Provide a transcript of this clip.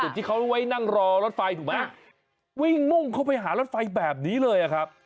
ที่เขาไว้นั่งรอรถไฟถูกไหมวิ่งมุ่งเข้าไปหารถไฟแบบนี้เลยอะครับ